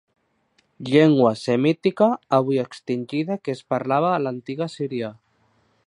Llengua semítica avui extingida que es parlava a l'antiga Síria.